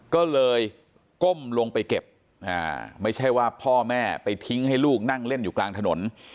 ก็เลยก้มลงไปเก็บไม่ใช่ว่าพ่อแม่ไปทิ้งให้ลูกนั่งเล่นอยู่กลางถนน